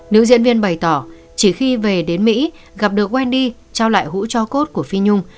nữ diễn viên bày tỏ chỉ khi về đến mỹ gặp được wendy trao lại hũ cho cốt của phi nhung